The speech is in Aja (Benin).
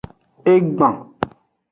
Egban.